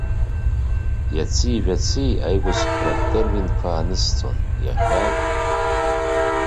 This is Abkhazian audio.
Иаци жәаци аигәыцхәратә терминқәа анысҵон, иахьа.